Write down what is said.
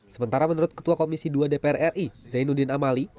sementara menurut ketua komisi dua dpr ri zainuddin amali